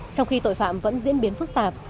trong khi tội phạm vẫn diễn biến phức tạp